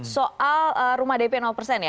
soal rumah dp ya